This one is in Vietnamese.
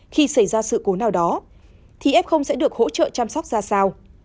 khi xảy ra sự cố nào đó thì f sẽ được hỗ trợ chăm sóc ra sao